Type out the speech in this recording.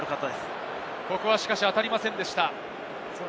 しかし当たりませんでした。